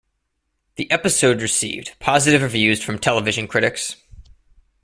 The episode received positive reviews from television critics.